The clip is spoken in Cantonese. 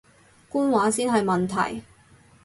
官話先係問題